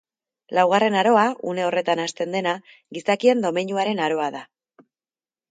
Laugarren Aroa, une horretan hasten dena, Gizakien domeinuaren aroa da.